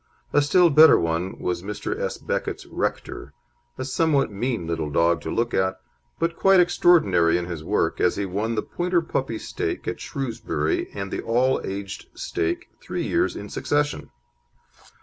A still better one was Mr. S. Becket's Rector, a somewhat mean little dog to look at, but quite extraordinary in his work, as he won the Pointer Puppy Stake at Shrewsbury and the All Aged Stake three years in succession.